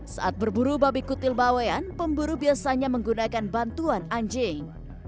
saat berburu babi kutil bawean pemburu biasanya menggunakan bantuan anjing